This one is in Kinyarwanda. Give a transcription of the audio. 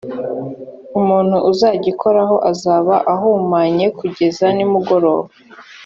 umuntu uzagikoraho azaba ahumanye kugeza nimugoroba